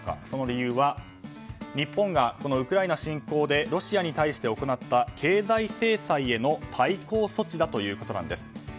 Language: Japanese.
その理由は、ウクライナ侵攻で日本がロシアに対して行った経済制裁への対抗措置だということです。